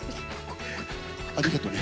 ありがとね。